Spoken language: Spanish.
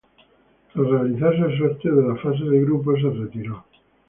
Tras realizarse el sorteo de la fase de grupos, se retiró.